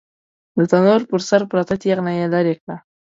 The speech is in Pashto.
د تنور پر سر پرته تېغنه يې ليرې کړه.